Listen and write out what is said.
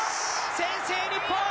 先制、日本！